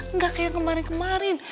nggak kayak kemarin kemarin